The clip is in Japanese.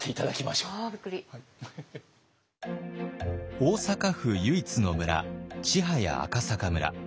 大阪府唯一の村千早赤阪村。